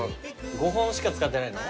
５本しか使ってないの？